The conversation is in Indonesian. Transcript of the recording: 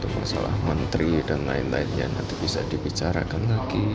masalah menteri dan lain lainnya nanti bisa dibicarakan lagi